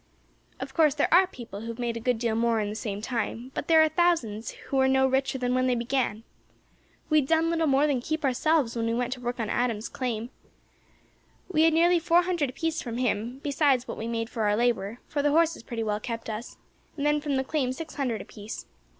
Of course, there are people who have made a good deal more in the same time, but then there are thousands who are no richer than when they began. We had done little more than keep ourselves when we went to work on Adams's claim. We had nearly four hundred apiece from him, besides what we made for our labour, for the horses pretty well kept us; then from the claim six hundred apiece.